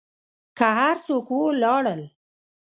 که هر څوک و لاړل.